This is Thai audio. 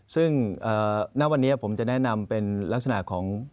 ซึ่งณวันนี้ผมจะแนะนำเป็นลักษณะของ